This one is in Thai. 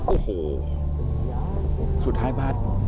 โอ้โหสุดท้ายบ้าน